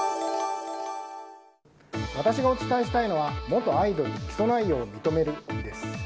私がお伝えしたいのは元アイドル、起訴内容認めるです。